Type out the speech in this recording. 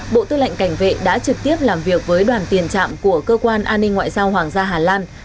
bộ tư lệnh cảnh vệ đã trực tiếp làm việc với đoàn tiền trạm của cơ quan an ninh ngoại giao hoàng gia hà lan